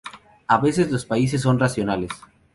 A veces los países son racionales.